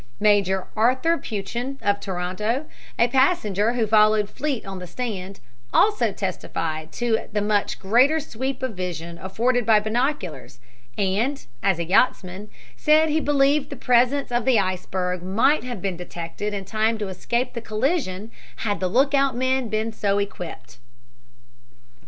Major Arthur Peuchen, of Toronto, a passenger who followed Fleet on the stand, also testified to the much greater sweep of vision afforded by binoculars and, as a yachtsman, said he believed the presence of the iceberg might have been detected in time to escape the collision had the lookout men been so equipped.